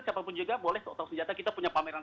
siapa pun juga boleh kita punya pameran